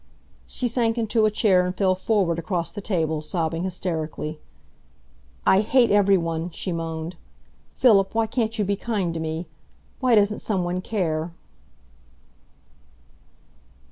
She sank into a chair and fell forward across the table, sobbing hysterically. "I hate every one!" she moaned. "Philip, why can't you be kind to me! Why doesn't some one care!"